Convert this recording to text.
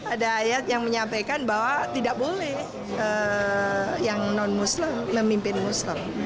ada ayat yang menyampaikan bahwa tidak boleh yang non muslim memimpin muslim